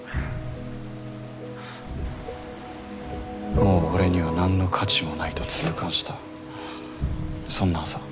もう俺には何の価値もないと痛感したそんな朝。